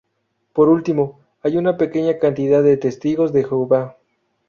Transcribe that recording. Por último, hay una pequeña cantidad de los testigos de Jehová.